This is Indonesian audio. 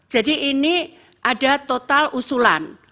jadi ini ada total usulan